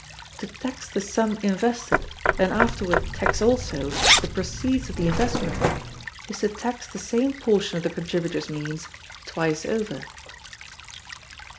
To tax the sum invested, and afterward tax also the proceeds of the investment, is to tax the same portion of the contributor's means twice over.